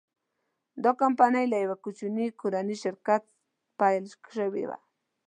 دا کمپنۍ له یوه کوچني کورني شرکت پیل شوې وه.